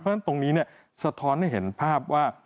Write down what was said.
เพราะฉะนั้นตรงนี้สะท้อนให้เห็นภาพว่า